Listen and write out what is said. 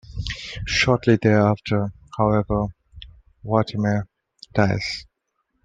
Shortly thereafter, however, Vortimer dies.